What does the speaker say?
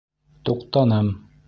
Туҡтаным.